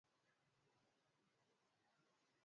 redio zote zinatakiwa kuandaa matangazo mazuri sana